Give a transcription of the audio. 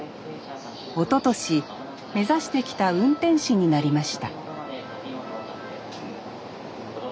おととし目指してきた運転士になりました